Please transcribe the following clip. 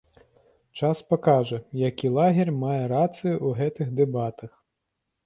Час пакажа, які лагер мае рацыю ў гэтых дэбатах.